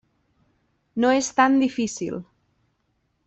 No és tan difícil.